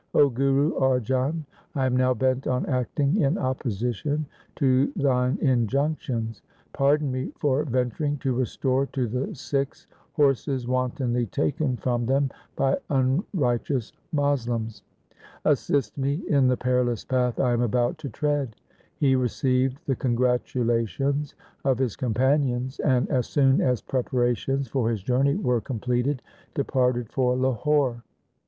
' 0 Guru Arjan, I am now bent on acting in opposition to thine injunctions ; pardon me for ven turing to restore to thy Sikhs horses wantonly taken from them by unrighteous Moslems. Assist me in the perilous path I am about to tread.' He re ceived the congratulations of his companions, and as soon as preparations for his journey were com pleted departed for Lahore.